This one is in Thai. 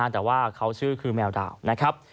แต่ว่าเขาชื่อคือแมวดาวนะครับ